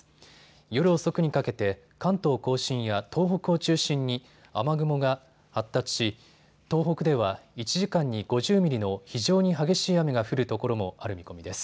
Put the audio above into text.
夜遅くにかけて関東甲信や東北を中心に雨雲が発達し、東北では１時間に５０ミリの非常に激しい雨が降るところもある見込みです。